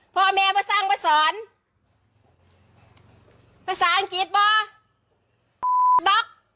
พ่อแม่ภาษาอังกฤษป่ะภาษาอังกฤษป่ะ